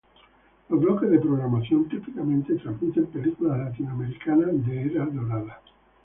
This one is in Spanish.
Los bloques de programación típicamente transmiten películas latinoamericanas de era dorada.